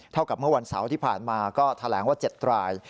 เท่ากับเมื่อวันเสาร์ที่ผ่านมาก็แถลงว่า๗ราย